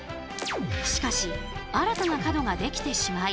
しかし新たな角ができてしまい